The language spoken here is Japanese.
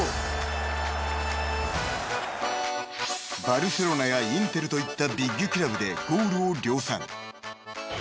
［バルセロナやインテルといったビッグクラブでゴールを量産］